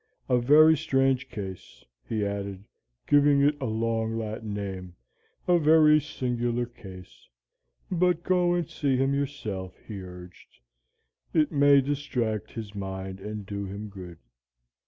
A very strange case,' he added, giving it a long Latin name, 'a very singular case. But go and see him yourself,' he urged; 'it may distract his mind and do him good?'